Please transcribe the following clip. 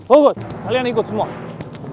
oh good kalian ikut semua